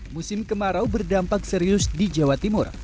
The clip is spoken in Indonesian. musim kemarau berdampak serius di jawa timur